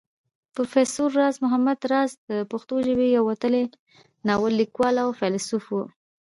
پروفېسر راز محمد راز د پښتو ژبې يو وتلی ناول ليکوال او فيلسوف وو